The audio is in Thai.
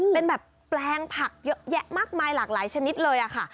เป็นแบบแปลงผักเยอะแยะมากมายหลากหลายชนิดเลยค่ะ